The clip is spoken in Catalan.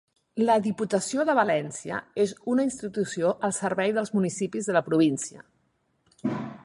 La Diputació de València és una institució al servei dels municipis de la província.